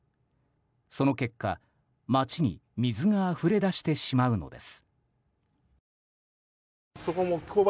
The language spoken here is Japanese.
その結果、街に水があふれ出してしまうのです。